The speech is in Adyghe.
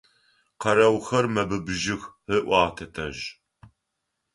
Къэрэухэр мэбыбыжьых, – ыӏуагъ тэтэжъ.